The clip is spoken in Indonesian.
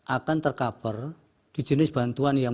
akan tercover di jenis bantuan yang